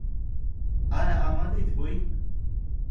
ئایا ئامادەیت بۆی؟